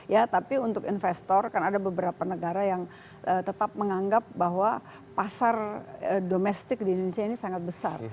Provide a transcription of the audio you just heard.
ya tapi untuk investor kan ada beberapa negara yang tetap menganggap bahwa pasar domestik di indonesia ini sangat besar